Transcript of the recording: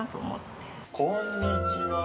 こんにちは。